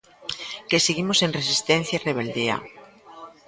Que seguimos en resistencia e rebeldía.